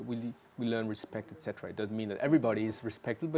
kita belajar menghormati dan sebagainya